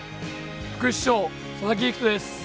副主将、佐々木陸仁です。